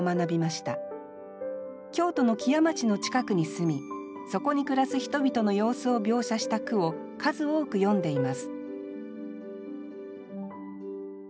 京都の木屋町の近くに住みそこに暮らす人々の様子を描写した句を数多く詠んでいます